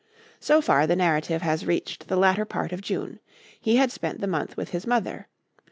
So far the narrative has reached the latter part of June. He had spent the month with his mother.